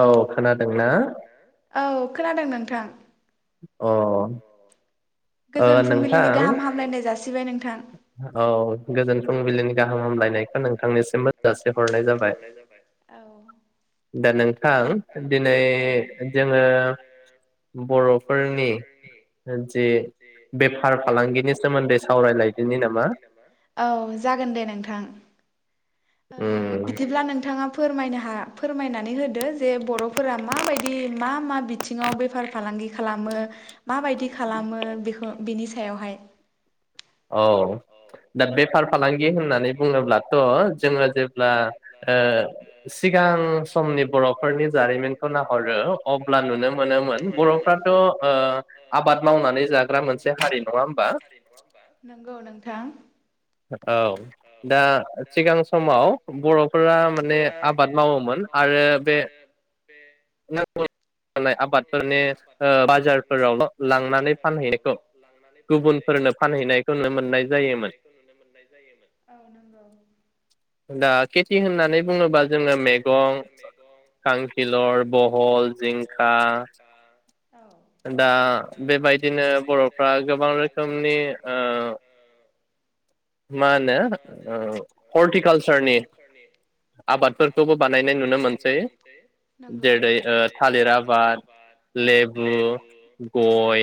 औ खोनादोंना? खोनादों नोंथां अ गोजोन फुंबिलिनि गाहाम हामलायनाय जा सिबाय नों औ गोजोन फुंबिलिनि गाहाम हामलायनायखौ नोंथांनिसिमबो जासि हरनाय जाबाय । दा नोंथां दिनै जोङो बर'फोरनि जि बेफार फालांगिनि सोमोन्दै सावरायलाय स्वाध्याय लांदोनि नामा? औ जागोन दे नोंथां ओ बिदिब्ला नोंथाङा फोरमायनो हा हा फोरमायनानै होदो जे बर'फोरा माबायदि मा मा बिथिङाव बेफार फालांगि खालामो माबायदि खालामो बोखो बिसनिसा नि सायावहाय औ दा बेफार फालांगि होननानै बुङोब्लाथ जोंङो जेब्ला सिगां समनि बर'फोरनि जारिमिनखौ नाहरो। अब्ला नुनो मोनोमोन बर'फ्राथ आबाद मावनानै जाग्रा मोनसे हारि नङा होमबा? नंगौ नोंथां औ दा सिगां समाव बर'फोरा माने आबाद मावोमोन आरो बे नांगौ आबादफोरनि बाजारफोरावल लांनानै फानहैनायखौ गुबुनफोरनो फानहैनायखौ नुनो मोननाय जायोमोन। नुनाय जायोमोन औ नंगौ होननानै बुङोबा जोंङो मैगं खांखिलर बहल जिंखा दा बेबायदिनो बर'फ्रा गोबां रोखोमनि ओ मा होनो हर्टिकालसारनि आबादफोरखौबो बानायनाय नुनो मोनसै। जेरै थालिर आबाद लेबु गय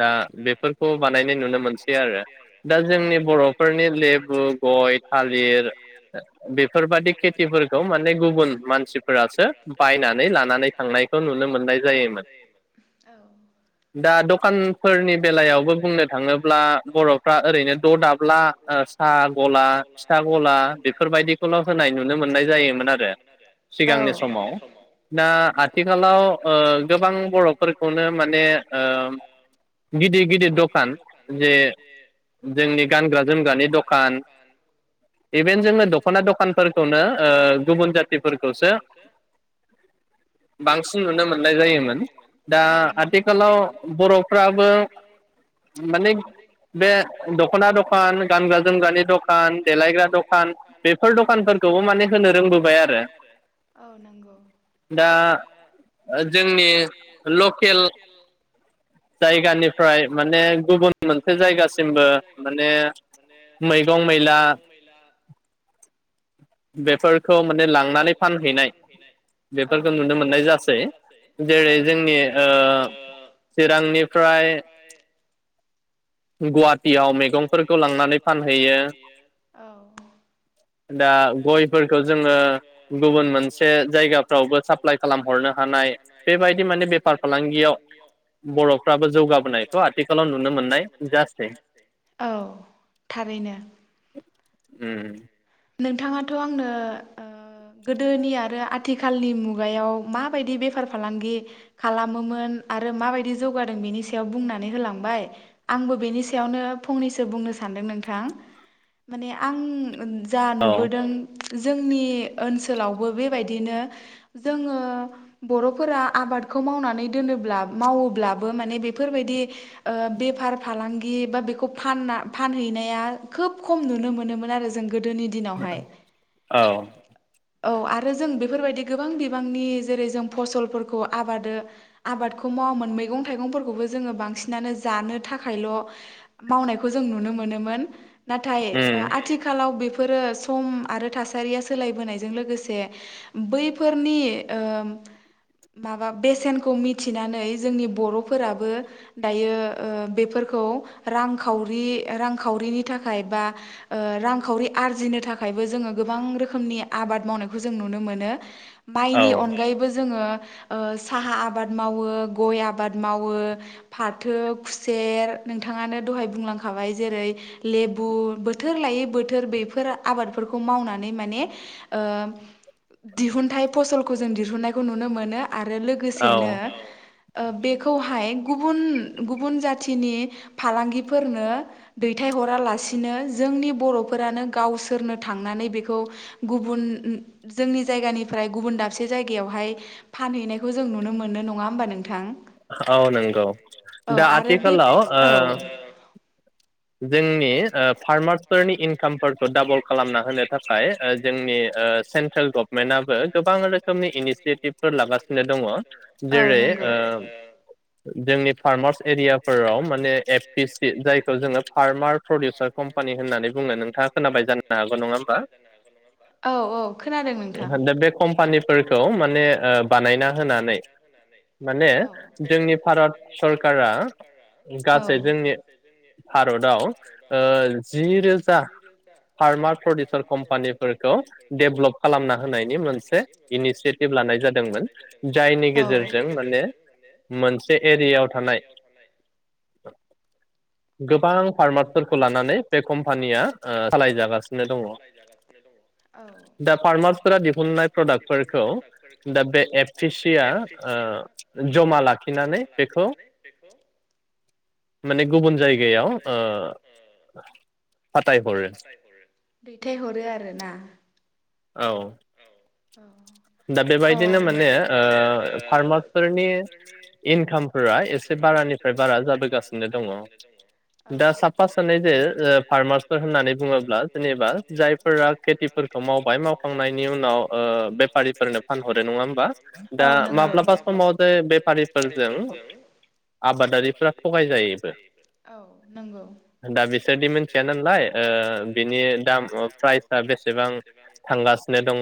दा बेफोरखौ दा बानायनाय नुनो मोनसै आरो दा जोंनि बर'फोरनि लेबु गय थालिर बेफोरबादि खेथिफोरखौ माने गुबुन मानसिफोरासो बायनानै लानानै थांनायखौ नुनो मोननाय जायोमोन। दा दखानफोरनि बेलायावबो बुंनो थाङोब्ला बर'फ्रा ओरैनो ददाब [unintelligible] साहा गला फिथा गला बेफोरबायदिखौल' होनाय नुनो मोननाय जायोमोन आरो सिगांनि समाव। दा आथिखालाव गोबां बर'फोरखौनो माने गिदिर गिदिर दखान जे जोंनि गानग्रा जोमग्रानि दं [unintelligible] इभेन जोंङो दखना दखानफोरखौनो गुबुन जाफोरखौसो बांसिन नुनो मोननाय जायोमोन। दा आथिखालाव बर'फ्राबो माने बे दखना गानग्रा जोमगानि दखान देलायग्रा दखान बेफोर दखानफोरखौबो माने होनो रोंबोबायय आरो औ नंगौ। दा जोंनि धकेल जायगानिफ्राय गुबन मोनसे जायगासिम माने मैगं मैला बेफोरखौ माने लांनानै फानहैनाय औ बेफोरखौ नुनो मोननाय जासै औ जेरै जोंनि ओ चिरांनिफ्राय गुवाहाटियाव मैगंफोरखौ लांनानै फानहैयो औ। दा दा गयफोरखौ जोंङो गुबुन मोनसे जायगाफ्रावबो साप्लााय खालाम हरनो हानाय। बेबायदि माने बेफार फालांगियाव बर'फ्राबो जौगाबोनायखौ आथिखालाव नुनो मोननाय जासै औ थारैनो। नोंथाङाथ' आंनो ओ गोदोनि आरो आथिखालनि मुगायाव माबायदि बेफार फालांगि खालामोमोन। आरो माबायदि जौगादों बेनि सायाव बुंनानै होलांबाय आंबो बेनि सायावनो फंनैसो बुंनो सानदों नोंथां। माने आं जा नुबोदों जोंनि ओनसोलावबो बेबायदिनो जोङो बर'फोरा आबादखौ मावनानै दोनोब्ला मावोब्लाबो माने बेफ फोरबायदि ओ बेफार फालांग गि बा बेखौ फानना फानहैनाया खोब खम नुनो मोनोमोन आरो जों गोदोनि दिनावहाय औ आरो जों बेफोरबायदि गोबां बिबांनि जेरै जों फसलफोरखौ आबादो आबादखौ मावामोन मैगं थाइगंफोरखौबो जोङो बांसिनानो जानो थाखायल' मावनायखौ जों नुनो मोनोमोन । नाथाय ओ आथिखालाव फोरो सम आरो थासारिया सोलायबोनायजों लोगोसे बैफोरनि ओ माबा बेसेनखौ मिथिनानै जोंनि बर'फोराबो दायो ओ बेफोरखौ रांखावरि रांखावरिनि थाखाय बा ओ रांखावरि आरजिनो थाखायबो जोङो गोबां रोखोमनि आबाद मावनायखौ जों नुनो मोनो । माइनि अनगायैबो जोङो ओ साहा आबाद मावो गय आबाद मावो फाथो खुसेर नोंथाङानो दहाय बुंलांखाबाय जेरै लेबु बोथोर लायै बोथोर बेफ फोर आबादफोरखौ मावनानै माने ओ दिहुन्थाइ फसलखौ जों दिहुननायखौ नुनो मोनो । आरो लोगोसेनो ओ बेखौहाय गुबुन गुबुन जाथिनि फालांगिफोरनो दैथायहरालासिनो जोंनि बर'फोरानो गावसोरनो थांनानै बेखौ गुबुन उ जोंनि जायगानिफ्राय गुबुन दाबसे जायगायावहाय फानहैनायखौ जों नुनो मोननो । नङा होमबा नोंथां? औ नंगौ दा आथिखालाव ओ जोंनि ओ फार्मार्सफोरनि इनकामफोरखौ डाबल खालामना होनो थाखाय ओ जोंनि ओ सेन्ट्रेल गभमेन्टआबो गोबां रोखोमनि इनिसिटिभफोर लागासिनो दङ । जेरै ओ जोंनि फार्मार्स एरियाफोराव माने एफ पि सि जायखौ जोङो फार्मार प्रडउसार कम्पानि होननानै बुंनो । नोंथाङा खोनाबाय जानो हागौ नङा होमबा? दा बे कम्पानि फोरखौ माने ओ बानायना होनानै औ माने जोंनि भारत सरकारा औ गासै जोंनि भारतआव ओ जि रोजा फार्मार प्रडिउसार कम्पानिफोरखौ डेभलप खालामना होनायनि मोनसे इनिसियेटिभ लानाय जादोंमोन जायनि गेजेरजों माने मोनसे एरियायाव थानाय गोब गोबां फारमारस लानानै बे कम्पानिया ओ सालायजागासिनो दङ औ दा पार्मारस फोर दिहुननाय प्रदाक्टफोरखौ दा एफ फि सिया ओ जमा लाखिनानै बेखौ माने गुबुन जायगायाव ओ फाथायहरो। दैथाय हरो आरो ना? औ दा बेबायदिनो माने ओ फार्मास फोरनि इनकामफोरा एसे बारानिफ्राय बारा जाबोगासिनो दङ दा साफा सानै जे ओ फार्मासफोर होननानै बुङोब्ला जेनेबा जायफोरा खेथिफोरखौ मावबाय मावखांनायनि नि उनाव ओ फारिफोरनो फानहरो नङा होमबा? दा माब्लाबा समाव जे बेफारिफोरजों आबादारिफ्रा थगाय जायोबो दा बिसोरदि मिथिया नालाय ओ बिनि दाम प्राइसा बेसेबां थांगासिन दङ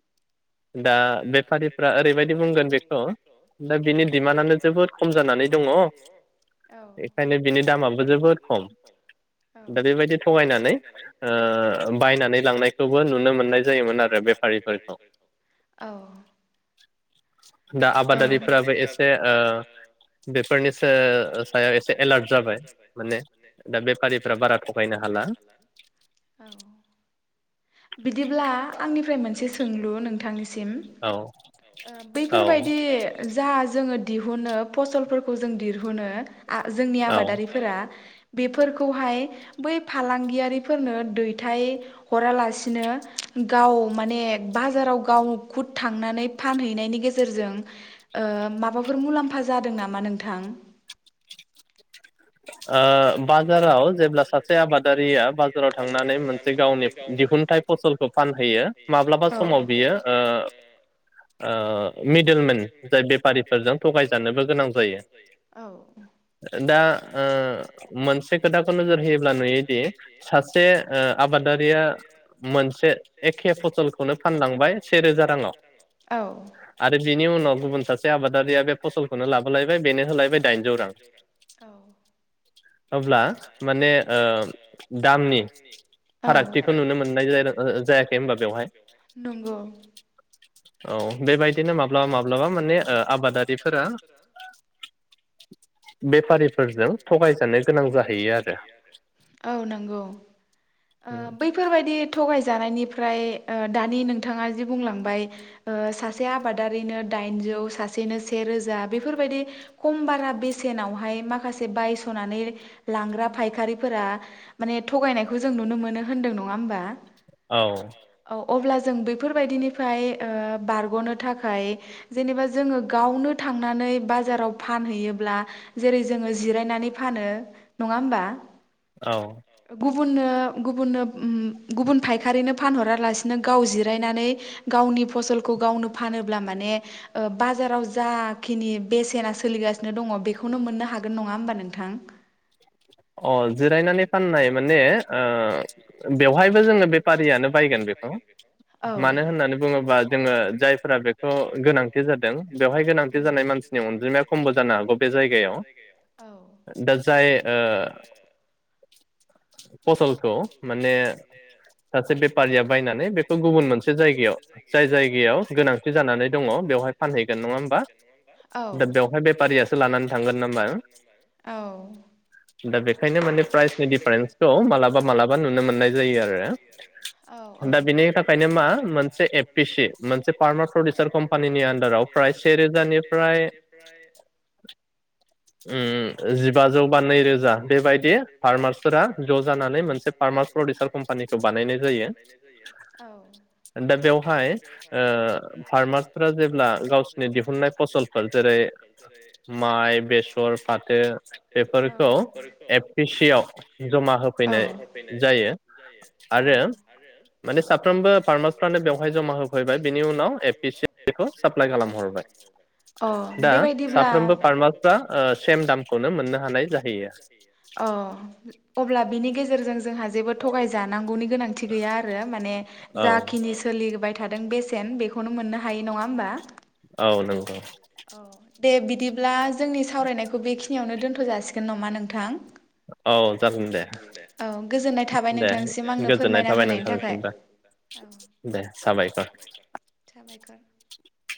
औ औ नो मोननाय जायोमोन आरो बेफारिफोर औ [inaudible] दा आबादारिफ्राबो एसे ओ बेफोरनिसो सायाव एसे एलार्ट जाबाय माने दा बेफारिफ्रा बारा थगायनो हाला। बिदिब्ला आंनिफ्राय मोनसे सोंलु नोंथांनिस सिम ओ बैफोरबाय दे जा जों ङो दिहुनो फसलफोरखौ जों दिहु हुनो आ जोंनि आबादारिफोरा बेफोरखौहाय बै फालांगियारिफोरनो दैथायहरालासिनो गाव माने बाजाराव गाव खुद थांनानै फानहैनायनि गेजेरजों ओ माबाफोर मुलाम्फा जादों नामा नोंथां? ओ बाजाराव जेब्ला सा से आबादारिया बाजाराव थांनानै मोनसे गावनि दिहुनथाइ फसलखौ फानहैयो माब्लाबा समाव बियो ओ ओ मिडेलमेन जाय बेफारिफोरजों थगायजानोबो गोनां जायो। दा ओ मोनसे खोथाखौ नोजोर होयोब्ला नुयो औ औ अब्ला माने ओ दामनि फारागथिखौ नुनो मोननाय जार जायाखै होनबा बेवहाय औ बेबायदिनो माब्लाबा माब्लाबा माने ओ आबादारिफोरा बेफारिफोरजों थगायजानो गोनां जाहैयो आरो औ नंगौ ओ बैफोरबायदि थगायजानाय इनिफ्राय ओ दानि नोंथांआ जे बुंलांबाय ओ सासे आबादारिनो दाइनजौ सासेनो से रोजा बेफोरबायदि खम बारा बेसेनावहाय माखासे बायसनानै लांग्रा फायखारि फोरा माने थगायनायखौ जों नुनो मोनो होनदों नङा होमबा औ अब्ला जों बेफोरबायदिनिफ्राय ओ बारग'नो थाखाय जेनेबा जोङो गावनो थांनानै बाजाराव फानहैयोब्ला जेरै- जोङो जिरायनानै फानो नङा होमबा औ गुबुननो गुबुननो ओम गुबुन फायखारिनो फानहरालासिनो गाव जिरायनानै गावनि फसलखौ गावनो फानोब्ला माने ओ बाजाराव जाखिनि बेसेना सोलिगासिनो दङ बेखौनो मोननो हागोन नङा होमबा नोंथां। अ जिरायनानै फाननाय माने ओ बेवहायबो जोङो बेफारियानो बायगोन बेखौ मानो होननानै बुङोबा जोङो जायफोरा बेखौ गोनांथि जादों बेवहाय गोनांथि जानाय मानसिनि अनजिमाया खमबो जानो हागौ बे जायगायाव, औ जाये ओ, फसलखौ माने [unintelligible] [inaudible] औ औ दा बेखायनो माने प्राइजनि दिडिफारेन्सखौ मालाबा मालाबा नुनो मोननाय जायो आरो दा बिनि थाखायनो मा मोनसे एपिसि मोनसे फार्मार प्रडिउसार कम्पानिनि आन्दाराव फ्राय सेेरोजानिफ्राय, उम जिबाज बा नैरोजा बेबायदि फार्मार्सफोरा ज'जानानै मोनसे फार्मार प्रडिउसार कम्पानिखौ बानायनाय जायो दा बेवहाय ओ फार्मार्सफोरा जेब्ला गावसोरनि दिहुनन्नाय फसलफोर जेरै माइ बेसर फाथो बेफोरखौ एफ पि सि आव जमा होफैनाय जायो आरो माने साफ्रोमबो फार्मार्सफ्रानो बेवहाय जमा होफैबाय बिनि उनाव एफ पि सि बेखौ साप्लााय खालामहरबाय दा साफ्रोमबो फार्मार्सफ्रा दामखौनो मोननो अ अब्ला बेनि गेज गेजेरजों जोंहा जेबो थगायजानांगौनि गोनांथि गैया आरो माने जाखिनि सोलिबाय थादों बेसेन बेखौनो मोननो हाय नङा होमबा? औ नंगौ औ दे बिदिब ब्ला जोंनि सावरायनायखौ बेखिनियावनो दोनथ' फोजासिगोन नामा नोंथां? औ जागोन दे दे गोजोननाय थाबाय नोंथांनिसिमबो दे थाबायखर ।